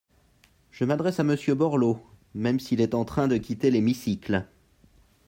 Je m’adresse à Monsieur Borloo, même s’il est en train de quitter l’hémicycle.